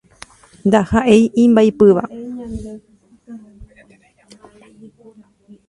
Ndahaʼéi imbaipýva.